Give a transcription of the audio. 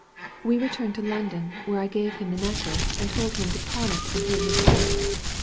We returned to London, where I gave him the necklace, and told him to pawn it and pay his debts.